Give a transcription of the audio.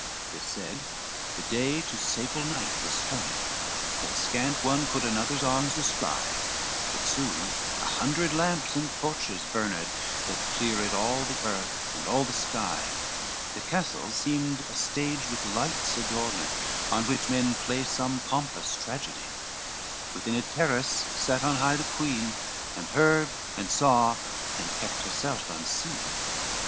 XXXVI This said, the day to sable night was turned, That scant one could another's arms descry, But soon an hundred lamps and torches burned, That cleared all the earth and all the sky; The castle seemed a stage with lights adorned, On which men play some pompous tragedy; Within a terrace sat on high the queen, And heard, and saw, and kept herself unseen.